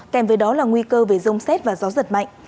kèm với đó là nguy cơ về rông xét và gió giật mạnh